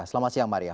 selamat siang maria